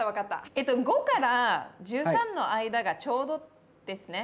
えと５から１３の間がちょうどですね。